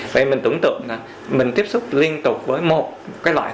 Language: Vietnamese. vậy mình tưởng tượng là mình tiếp xúc liên tục với một loại thông tin